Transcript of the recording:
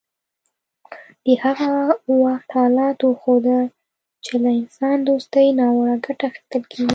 د هغه وخت حالاتو وښوده چې له انسان دوستۍ ناوړه ګټه اخیستل کیږي